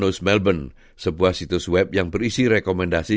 kita memiliki di beberapa kawasan yang terkendali